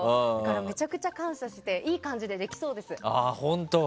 めちゃくちゃ感謝していい感じでできそうです。